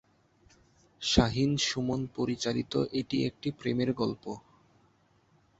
শাহিন-সুমন পরিচালিত এটি একটি প্রেমের গল্প।